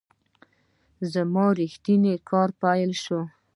زما ریښتینی کار پیل شو .